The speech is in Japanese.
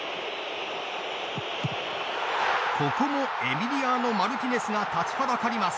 ここもエミリアーノ・マルティネスが立ちはだかります。